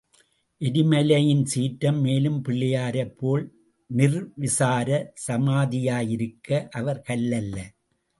எரிமலையின் சீற்றம் மேலும் பிள்ளையாரைப் போல் நிர்விசார சமாதியிலிருக்க அவர் கல் அல்ல.